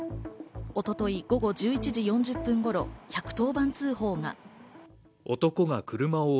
一昨日午後１１時４０分頃、１１０番通報が。